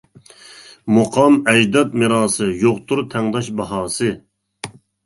مۇقام ئەجداد مىراسى، يوقتۇر تەڭداش باھاسى.